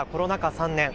３年。